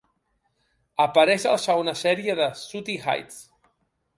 Apareix a la segona sèrie de "Sooty Heights".